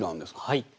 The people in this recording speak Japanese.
はい。